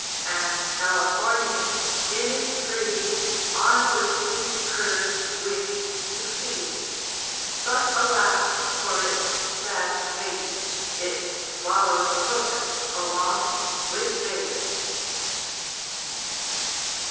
And Californian in its greed, On the sweet curd wished to feed; But, alas, for it's sad fate, It swallowed hook along with bait.